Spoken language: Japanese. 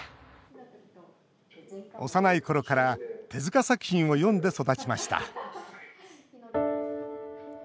幼いころから手塚作品を読んで育ちました。